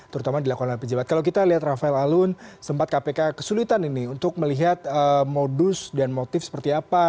terutama dilakukan oleh pejabat kalau kita lihat rafael alun sempat kpk kesulitan ini untuk melihat modus dan motif seperti apa